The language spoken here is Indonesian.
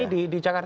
iya ini di jakarta